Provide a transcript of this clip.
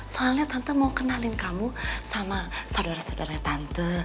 soalnya tante mau kenalin kamu sama saudara saudara tante